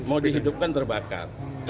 mau dihidupkan terbakar